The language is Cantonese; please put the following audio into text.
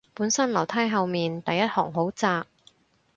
本身樓梯後面第一行好窄